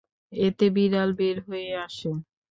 এতে বিড়াল বের হয়ে আসে।